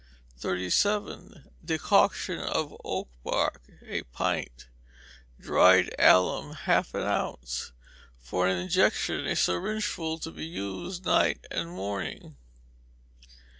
37. Decoction of oak bark, a pint; dried alum, half an ounce: for an injection, a syringeful to be used night and morning.